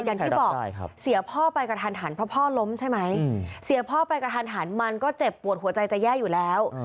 อย่างที่บอกเสียพ่อไปกระทันหันเพราะพ่อล้มใช่ไหมเสียพ่อไปกระทันหันมันก็เจ็บปวดหัวใจจะแย่อยู่แล้ว